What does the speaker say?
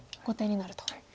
後手になると。